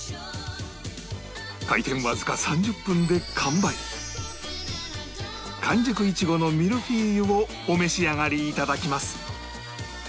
開店わずか３０分で完売完熟イチゴのミルフィーユをお召し上がりいただきます